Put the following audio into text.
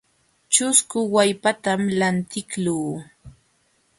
Ćhusku wallpatam lantiqluu.